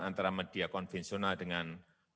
antara media konvensional dengan